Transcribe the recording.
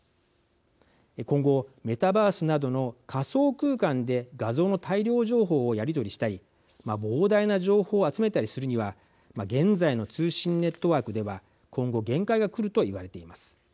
今後、メタバースなどの仮想空間で画像の大量情報をやり取りしたり膨大な情報を集めたりするには現在の通信ネットワークでは今後、限界がくると言われています。